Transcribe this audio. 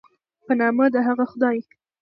په نامه د هغه خدای